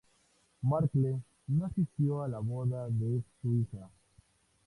Markle no asistió a la boda de su hija.